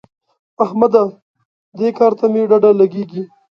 احمده! دې کار ته مې ډډه لګېږي.